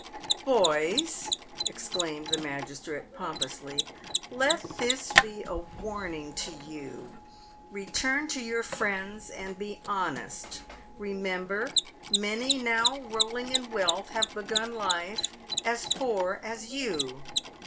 " Boys !" exclaimed the magistrate, pompously, "let this be a warn ing to you. Eeturn to your friends and be honest. Eemember, many now rolling in wealth have begun life as poor as you.